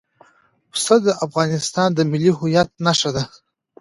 پسه د افغانستان د ملي هویت نښه ده.